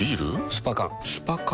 スパ缶スパ缶？